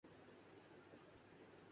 زہر دے کر قتل کرنے کی کوشش کی گئی